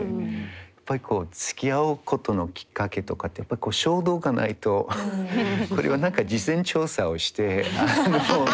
やっぱりつきあうことのきっかけとかってやっぱり衝動がないとこれは何か事前調査をして。